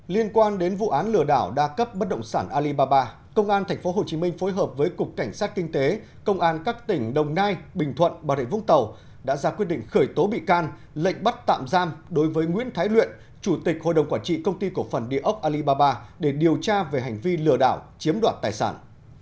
liên quan đến vụ án lừa đảo đa cấp bất động sản alibaba công an tp hcm phối hợp với cục cảnh sát kinh tế công an các tỉnh đồng nai bình thuận bà rịa vũng tàu đã ra quyết định khởi tố bị can lệnh bắt tạm giam đối với nguyễn thái luyện chủ tịch hội đồng quản trị công ty cổ phần địa ốc alibaba để điều tra về hành vi lừa đảo chiếm đoạt tài sản